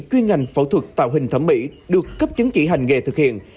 chuyên ngành phẫu thuật tạo hình thẩm mỹ được cấp chứng chỉ hành nghề thực hiện